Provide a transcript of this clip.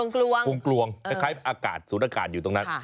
กลวงคล้ายอากาศศูนย์อากาศอยู่ตรงนั้น